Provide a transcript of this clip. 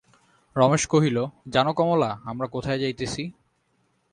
রমেশ কহিল, জান, কমলা, আমরা কোথায় যাইতেছি?